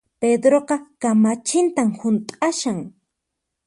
Pedroqa kamachintan hunt'ashan